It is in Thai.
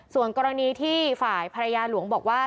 ส่วนกรณีที่ฝ่ายภรรยาหลวงบอกว่า